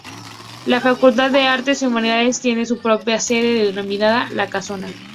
La Facultad de Artes y Humanidades tiene su propia sede, denominada "La Casona".